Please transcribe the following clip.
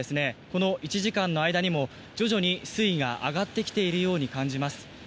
この１時間の間にも徐々に水位が上がってきているように感じます。